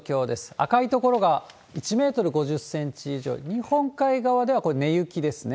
赤い所が、１メートル５０センチ以上、日本海側では、これ根雪ですね。